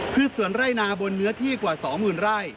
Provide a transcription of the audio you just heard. พืชสวนไร่นาบนเนื้อที่กว่า๒หมื่นไร่